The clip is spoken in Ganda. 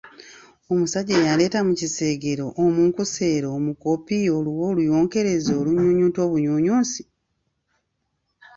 Omusajja eyandeeta mu kiseegero , omunkuseere, omukopi, olubwa oluyonkerezi olunnyunyunta obunyuunyunsi?